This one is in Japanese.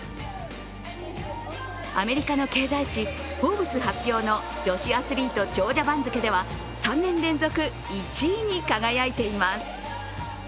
アメリカの経済誌「フォーブス」発表の女子アスリート長者番付では３年連続１位に輝いています。